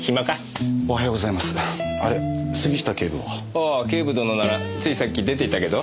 ああ警部殿ならついさっき出ていったけど。